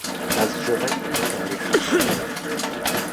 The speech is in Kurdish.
Ez ji rengên tarî hez dikim.